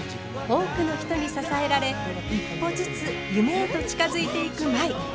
多くの人に支えられ一歩ずつ夢へと近づいていく舞。